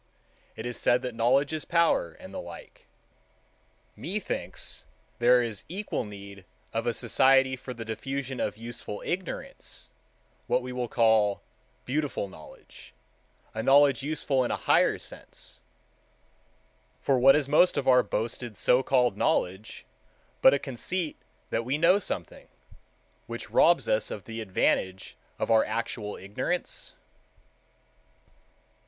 It is said that knowledge is power, and the like. Methinks there is equal need of a Society for the Diffusion of Useful Ignorance, what we will call Beautiful Knowledge, a knowledge useful in a higher sense: for what is most of our boasted so called knowledge but a conceit that we know something, which robs us of the advantage of our actual ignorance?